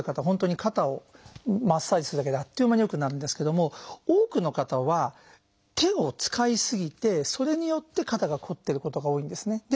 本当に肩をマッサージするだけであっという間に良くなるんですけども多くの方は手を使い過ぎてそれによって肩がこってることが多いんですね。